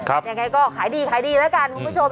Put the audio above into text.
ยังไงก็ขายดีขายดีแล้วกันคุณผู้ชม